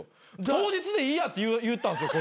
「当日でいいや」って言ったんですよ